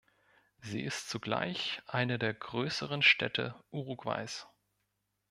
Sie ist zugleich eine der größeren Städte Uruguays.